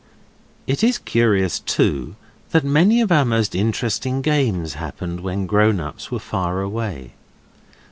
It is curious, too, that many of our most interesting games happened when grown ups were far away.